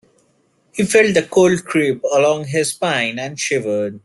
He felt the cold creep along his spine, and shivered.